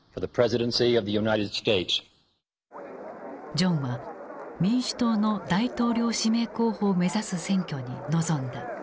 ジョンは民主党の大統領指名候補を目指す選挙に臨んだ。